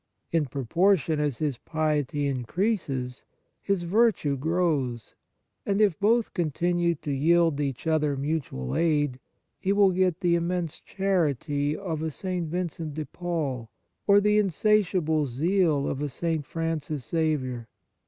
In proportion as his piety increases, his virtue grows, and if both continue to yield each other mutual aid, he will get the immense charity of a St. Vincent de Paul, or 105 On Piety the insatiable zeal of a St. Francis Xavier.